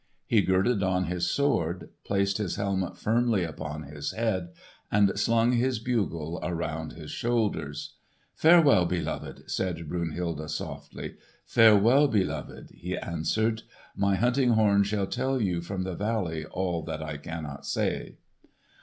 He girded on his sword, placed his helmet firmly upon his head, and slung his bugle around his shoulders. "Farewell, beloved!" said Brunhilde softly. "Farewell, beloved!" he answered. "My hunting horn shall tell you from the valley all that I cannot say."